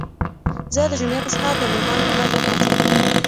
زه د جمعې په سهار د مرغانو په غږ راپاڅېدم.